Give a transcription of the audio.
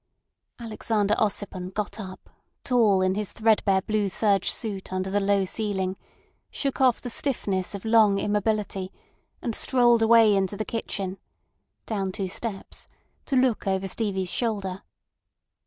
Alexander Ossipon got up, tall in his threadbare blue serge suit under the low ceiling, shook off the stiffness of long immobility, and strolled away into the kitchen (down two steps) to look over Stevie's shoulder.